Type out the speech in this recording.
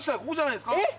ここじゃないですか？